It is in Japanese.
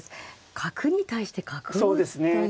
角に対して角を打つという。